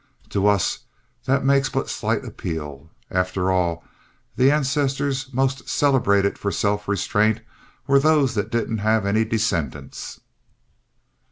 To us that makes but slight appeal. After all, the ancestors most celebrated for self restraint were those that didn't have any descendants.